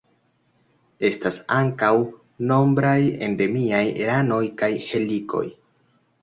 Estas ankaŭ nombraj endemiaj ranoj kaj helikoj.